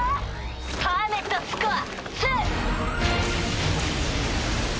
パーメットスコア２。